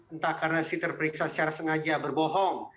entah karena si terperiksa secara sengaja berbohong